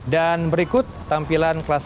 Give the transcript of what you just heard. dan berikut tampilan kemampuan